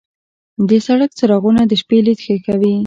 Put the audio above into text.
د سړک څراغونه د شپې لید ښه کوي.